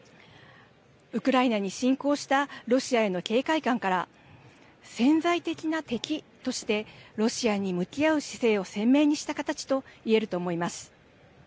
ウクライナに侵攻したロシアへの警戒感から潜在的な敵としてロシアに向き合う姿勢を鮮明にした形といえると思います。